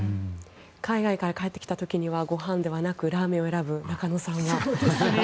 海外から帰った時にはご飯ではなくラーメンを選ぶ中野さんは。